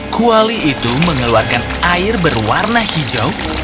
kuali itu mengeluarkan air berwarna hijau